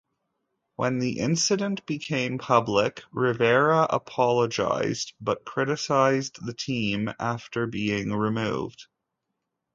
When the incident became public, Rivera apologized but criticized the team after being removed.